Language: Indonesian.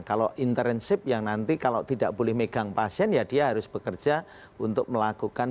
kalau internship yang nanti kalau tidak boleh megang pasien ya dia harus bekerja untuk melakukan